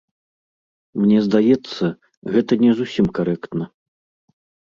Мне здаецца, гэта не зусім карэктна.